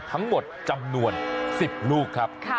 ทั้งหมดจำนวน๑๐ลูกครับ